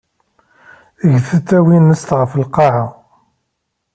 Get-d tawinest ɣef lqaɛa.